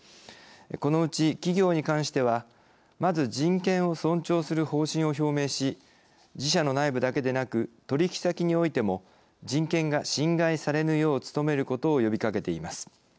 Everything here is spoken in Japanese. このうち企業に関してはまず人権を尊重する方針を表明し自社の内部だけでなく取引先においても人権が侵害されぬよう努めることを呼びかけています。